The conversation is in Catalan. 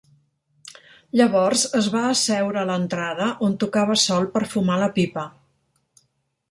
Llavors es va asseure a l'entrada on tocava sol per fumar la pipa.